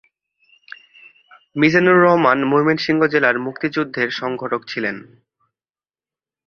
মিজানুর রহমান ময়মনসিংহ জেলার মুক্তিযুদ্ধের সংগঠক ছিলেন।